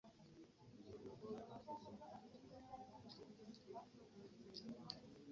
Kisobola okuba oba obutaba kigenderere.